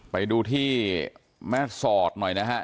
ไปดูที่แม่สอดหน่อยนะฮะ